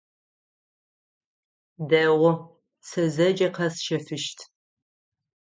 Дэгъу, сэ зэкӏэ къэсщэфыщт.